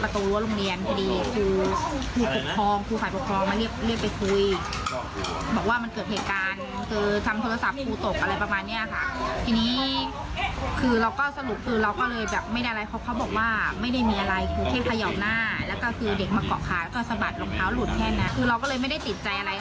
ตอนนั้นคือลูกเราก็ไม่เห็นร่องรอยคือเด็กก็ปกติแล้ว